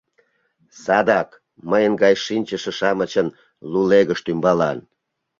Садак, мыйын гай шинчыше-шамычын лулегышт ӱмбалан.